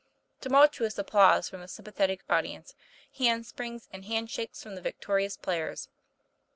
Tumultuous applause from the sympathetic audi ence, hand springs and hand shakes from the vic torious players.